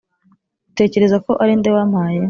utekereza ko ari nde wampaye?